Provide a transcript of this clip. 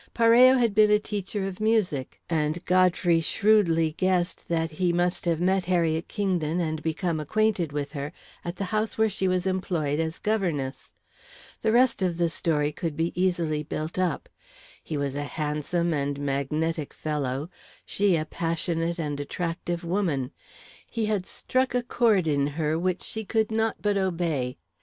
Parello had been a teacher of music, and Godfrey shrewdly guessed that he must have met Harriet Kingdon and become acquainted with her at the house where she was employed as governess. The rest of the story could be easily built up. He was a handsome and magnetic fellow, she a passionate and attractive woman. He had struck a chord in her which she could not but obey.